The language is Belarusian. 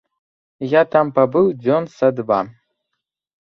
Я там пабыў дзён са два.